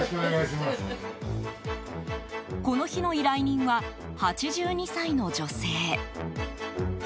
この日の依頼人は８２歳の女性。